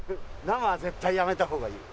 生は絶対やめた方がいい。